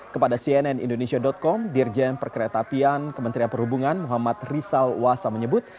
kepada cnn indonesia com dirjen perkeretapian kementerian perhubungan muhammad rizal wasa menyebut